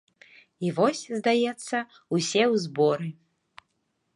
І вось, здаецца, усе ў зборы!